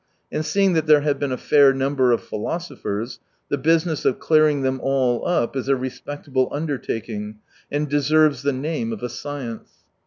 And seeing that there have been a fair number of philosophers, the business of clearing them all up is a respectable under taking, and deserves the name of a science.